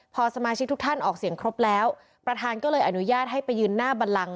พอสมาชิกทุกท่านออกเสียงครบแล้วประธานก็เลยอนุญาตให้ไปยืนหน้าบันลัง